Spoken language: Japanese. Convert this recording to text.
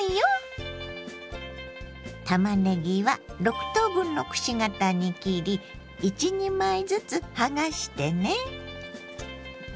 たまねぎは６等分のくし形に切り１２枚ずつはがしてね。